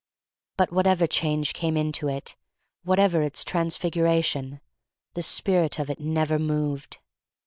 But whatever change came to it, whatever its transfiguration, the spirit of it never moved.